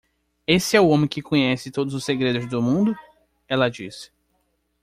"Esse é o homem que conhece todos os segredos do mundo?" ela disse.